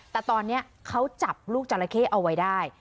แต่ตอนนี้เขาจับลูกจราเข้เอาไว้ได้